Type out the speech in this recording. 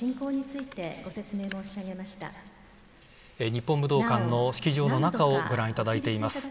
日本武道館の式場の中をご覧いただいています。